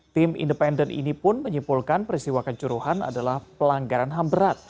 tim independen ini pun menyimpulkan peristiwa kanjuruhan adalah pelanggaran hamberat